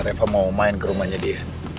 reva mau main ke rumahnya dia